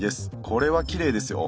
これはきれいですよ。